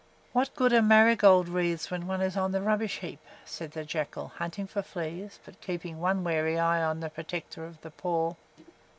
"What good are marigold wreaths when one is on the rubbish heap?" said the Jackal, hunting for fleas, but keeping one wary eye on his Protector of the Poor.